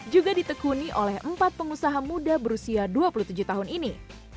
juga ditekuni oleh empat pengusaha muda berusia dua puluh tujuh tahun ini